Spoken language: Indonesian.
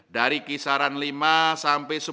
dari kisaran lima dolar per juta dolar